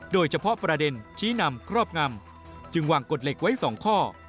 โดยเฉพาะประเด็นชี้นำครอบงำจึงวางกฎเหล็กไว้๒ข้อ